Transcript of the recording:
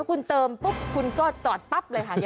คุณเติมปุ๊บคุณก็จอดปั๊บเลยค่ะ